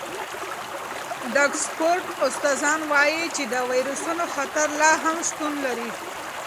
د اکسفورډ استادان وايي چې د وېروسونو خطر لا هم شتون لري.